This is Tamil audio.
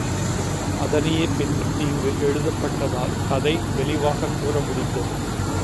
அதனையே பின்பற்றி இங்கு எழுதப்பட்டதால் கதை தெளிவாகக் கூறமுடிந்தது.